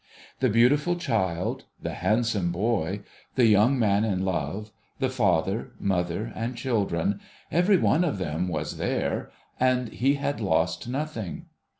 The beautiful child, the handsome boy, the young man in love, the father, mother, and children : every one of them was there, and he had lost nothing.